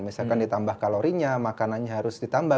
misalkan ditambah kalorinya makanannya harus ditambah